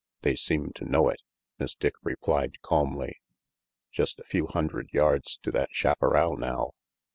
"They seem to know it," Miss Dick replied calmly. Just a few hundred yards to that chaparral now!